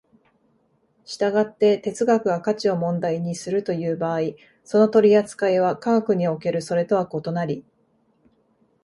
従って哲学が価値を問題にするという場合、その取扱いは科学におけるそれとは異なり、